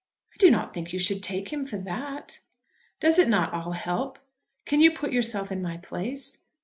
"I do not think you should take him for that." "Does it not all help? Can you put yourself in my place?